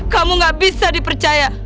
kamu nggak bisa dipercaya